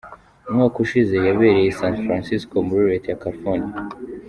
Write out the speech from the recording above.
Umwaka ushize yabereye i San Francisco muri Leta ya Calfornia.